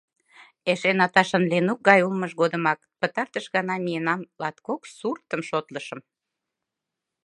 Эше Наташан Ленук гай улмыж годымак пытартыш гана миенам — латкок суртым шотлышым.